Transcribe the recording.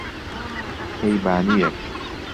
کەیبانوویەک،